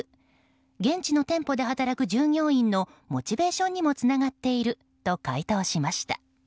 現地の店舗で働く従業員のモチベーションにもつながっていると回答しました。